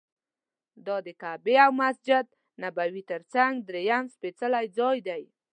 دا د کعبې او مسجد نبوي تر څنګ درېیم سپېڅلی ځای دی.